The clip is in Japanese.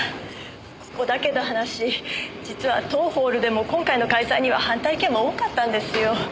ここだけの話実は当ホールでも今回の開催には反対意見も多かったんですよ。